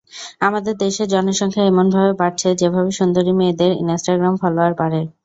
আমাদের দেশের জনসংখ্যা এমন ভাবে বাড়ছে, যেভাবে সুন্দরী মেয়েদের ইন্সটাগ্রাম ফলোয়াড় বাড়ে।